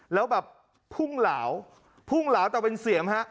แล้วแบบพุ่งเหลาพุ่งเหลาแต่เป็นเสียงฮะ